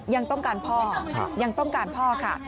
ยังต้องการพ่อยังต้องการพ่อค่ะ